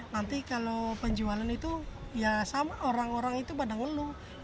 nanti kalau penjualan itu ya sama orang orang itu pada ngeluh